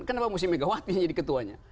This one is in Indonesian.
kenapa mesti megawati yang jadi ketuanya